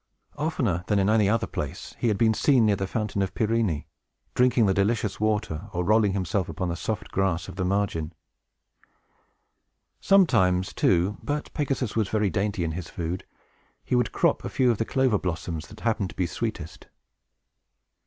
Oftener than in any other place, he had been seen near the Fountain of Pirene, drinking the delicious water, or rolling himself upon the soft grass of the margin. Sometimes, too (but Pegasus was very dainty in his food), he would crop a few of the clover blossoms that happened to be sweetest.